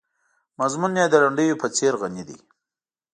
مضمون یې د لنډیو په څېر غني دی.